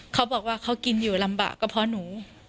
เขาบอกว่าเขากินอยู่ลำบากก็เพราะหนู